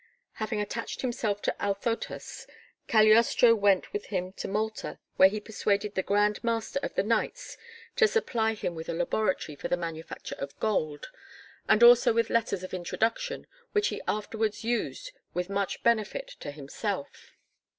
Having attached himself to Althotas, Cagliostro went with him to Malta where he persuaded the Grand Master of the Knights to supply them with a laboratory for the manufacture of gold, and also with letters of introduction which he afterwards used with much benefit to himself.